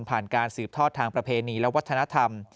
การสืบทอดทางประเพณีและวัฒนธรรม